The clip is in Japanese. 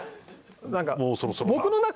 もうそろそろだな。